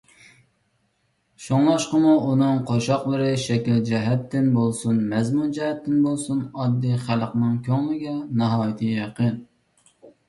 شۇڭلاشقىمۇ ئۇنىڭ قوشاقلىرى شەكىل جەھەتتىن بولسۇن، مەزمۇن جەھەتتىن بولسۇن، ئاددىي خەلقنىڭ كۆڭلىگە ناھايىتى يېقىن.